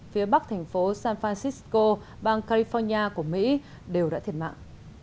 phía bắc thành phố san francisco bang california của mỹ đều đã thiệt mạng